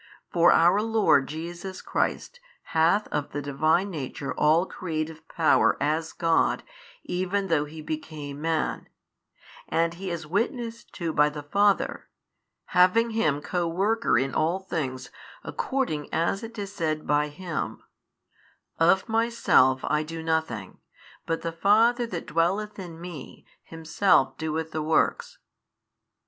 For our Lord Jesus Christ hath of the Divine Nature all creative Power as God even though He became Man, and He is witnessed to by the Father, having Him Co worker in all things according as is said by Him, Of Myself I do nothing, but the Father that dwelleth in Me, Himself doeth the works.